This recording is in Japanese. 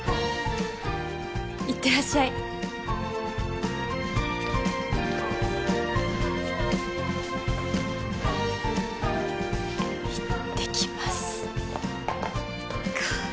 行ってらっしゃい行ってきますか